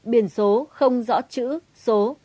biển số không rõ chữ số